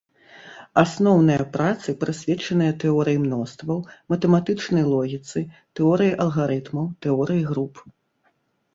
Асноўныя працы прысвечаныя тэорыі мностваў, матэматычнай логіцы, тэорыі алгарытмаў, тэорыі груп.